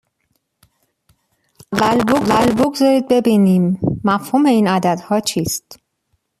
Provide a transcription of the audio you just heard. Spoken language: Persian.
اما اول بگذارید ببینیم مفهوم این عددها چیست.